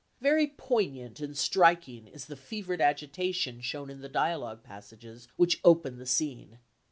Very poignant and striking is the fevered agitation shown in the dialogue passages which open the scene.